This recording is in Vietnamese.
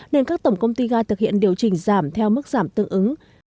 nên các tổng công ty ga thực hiện điều chỉnh giảm theo mức giảm tương ứng